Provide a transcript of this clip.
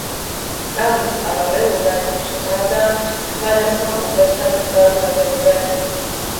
სწავლის პარალელურად ის უკრავდა სხვადასხვა კლუბებსა თუ წვეულებებზე.